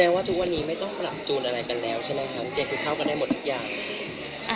แสดงว่าทุกวันนี้ไม่ต้องกลับจูนอะไรกันแล้วใช่ไหมค่ะ